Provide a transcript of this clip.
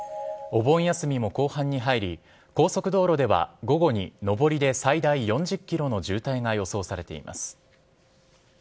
お盆休みも後半に入り、高速道路では午後に上りで最大４０キロの渋滞が予想されています。